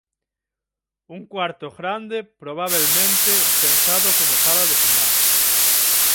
Un cuarto grande, probabelmente pensado como sala de fumar.